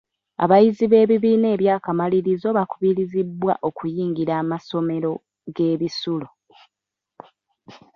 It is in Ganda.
Abayizi b'ebibiina eby'akamalirizo bakubirizibwa okuyingira amasomero g'ebisulo.